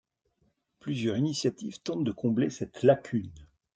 Plusieurs initiatives tentent de combler cette lacune.